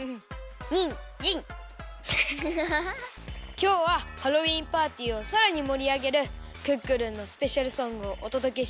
きょうはハロウィーンパーティーをさらにもりあげるクックルンのスペシャルソングをおとどけしちゃいナス！